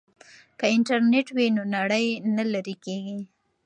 که انټرنیټ وي نو نړۍ نه لیرې کیږي.